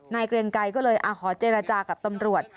เกรงไกรก็เลยขอเจรจากับตำรวจ